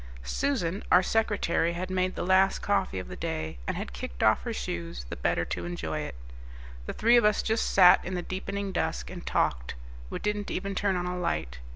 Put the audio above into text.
Susan, our secretary, had made the last coffee of the day, and had kicked off her shoes the better to enjoy it. The three of us just sat in the deepening dusk, and talked. We didn't even turn on a light.